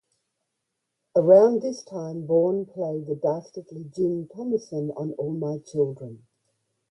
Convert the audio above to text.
Around this time Born played the dastardly Jim Thomasen on "All My Children".